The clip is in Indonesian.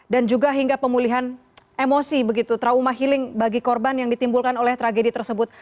dan juga hingga pemulihan emosi begitu trauma healing bagi korban yang ditimbulkan oleh tragedi tersebut